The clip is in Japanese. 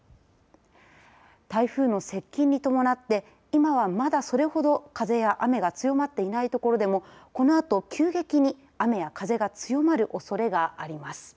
台風の接近に伴って今はまだ、それほど風や雨が強まっていないところでもこのあと急激に雨や風が強まるおそれがあります。